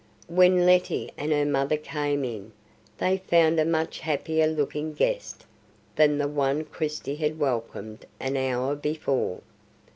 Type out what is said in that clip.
When Letty and her mother came in, they found a much happier looking guest than the one Christie had welcomed an hour before.